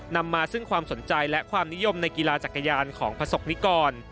นำมาซึ่งความสนใจและความนิยมในกีฬาจักรยานของประสบนิกร